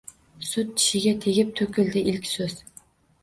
Sut tishiga tegib, to’kildi ilk so’z –